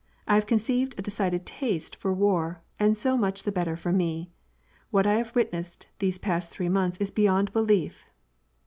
I have conceived a de cided taste for war and so much the better for me. What I have wit^ nessed these past three months is beyond belief